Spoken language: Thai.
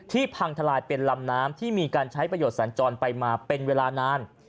พังทลายเป็นลำน้ำที่มีการใช้ประโยชนสัญจรไปมาเป็นเวลานาน